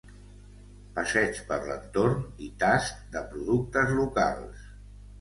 Passeig per l'entorn i tast de productes locals.